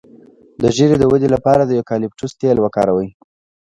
د ږیرې د ودې لپاره د یوکالیپټوس تېل وکاروئ